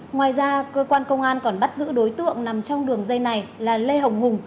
ngoài ra cơ quan công an còn bắt giữ đối tượng nằm trong đường dây này là lê hồng hùng